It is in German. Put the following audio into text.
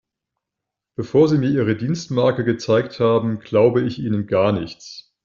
Bevor Sie mir Ihre Dienstmarke gezeigt haben, glaube ich Ihnen gar nichts.